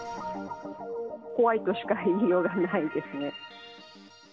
怖いとしか言いようがないですね。